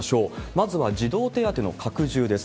まずは児童手当の拡充です。